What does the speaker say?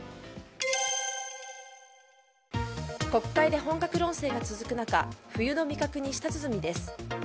国会で本格論戦が続く中冬の味覚に舌鼓です。